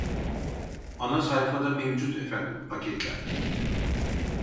Anasayfada mevcut efendim paketler